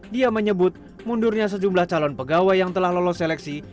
dia menyebut mundurnya sejumlah calon pegawai yang telah lolos seleksi